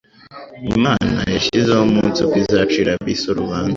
Imana «yashyizeho umunsi ubwo izacira ab'isi urubanza.'»